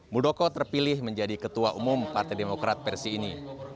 muldoko terpilih menjadi ketua umum partai demokrat versi ini